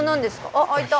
あっ開いた。